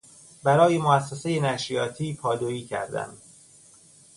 برای موسسهی نشریاتی پادویی کردن